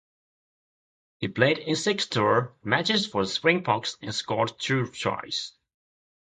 He played in six tour matches for the Springboks and scored two tries.